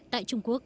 tại trung quốc